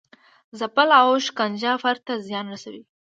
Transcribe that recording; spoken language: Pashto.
ځپل او شکنجه فرد ته زیان رسوي.